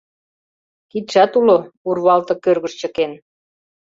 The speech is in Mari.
Кидшат уло — урвалте кӧргыш чыкен.